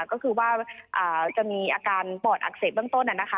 ก็คือว่าจะมีอาการปลอดอักเสบเบื้องต้นนั่นนะคะ